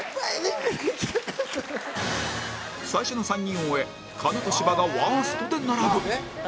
最初の３人を終え狩野と芝がワーストで並ぶ